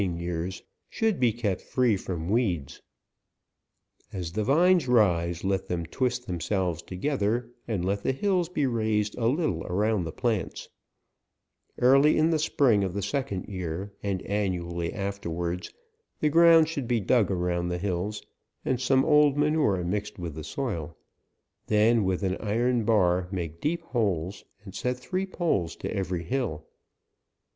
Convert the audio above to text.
ing years, should be kept free from weeds* As the vines rise, let them twist themselves together, and let the hills be raised a little a roun4 the plants* Early in the spring of the second year, and annually afterwards, the ground should be dug around the hills, and some old manure mixt with the soil ; then with an iron bar make deep holes, and set three poles to every hill.